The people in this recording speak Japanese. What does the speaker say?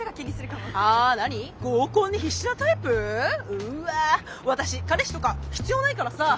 うわ私彼氏とか必要ないからさ